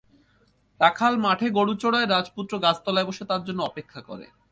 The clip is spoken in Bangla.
রাখাল মাঠে গরু চরায়, রাজপুত্র গাছতলায় বসে তার জন্য অপেক্ষা করে।